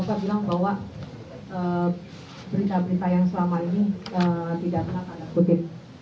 tadi bapak bilang bahwa berita berita yang selama ini tidak enak ada kode